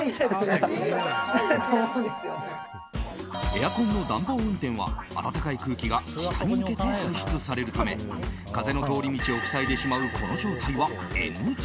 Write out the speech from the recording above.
エアコンの暖房運転は暖かい空気が下に向けて排出されるため風の通り道を塞いでしまうこの状態はＮＧ！